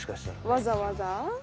わざわざ？